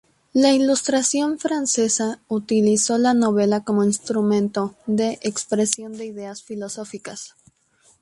La ilustración francesa utilizó la novela como instrumento de expresión de ideas filosóficas.